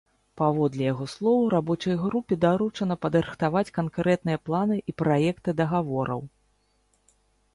Паводле яго слоў, рабочай групе даручана падрыхтаваць канкрэтныя планы і праекты дагавораў.